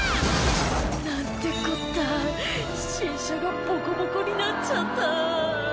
「何てこった新車がボコボコになっちゃった」